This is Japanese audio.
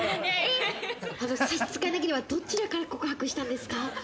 差し支えなければどちらから告白したんですか？